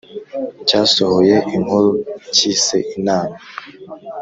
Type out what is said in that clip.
cyasohoye inkuru cyise «inama